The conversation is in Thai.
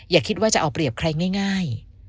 อย่าคิดว่าจะเอาเปรียบใครง่าย